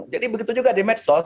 jadi begitu juga di medsos